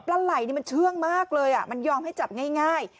ไหล่มันเชื่องมากเลยมันยอมให้จับง่าย